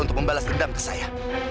untuk membalas dendam ke saya